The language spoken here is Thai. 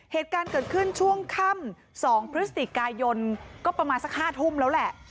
เหตุการณ์เกิดขึ้นช่วงค่ำ๒พฤศจิกายนก็ประมาณสัก๕ทุ่มแล้วแหละ